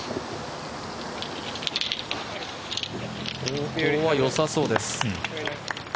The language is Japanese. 方向はよさそうです。